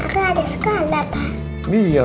kan aku ada sekolah pak